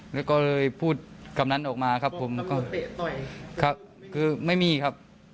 แล้วก็เลยพูดคำนั้นออกมาครับผมก็ครับคือไม่มีครับ